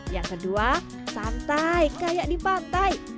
yang kedua santai kayak di pantai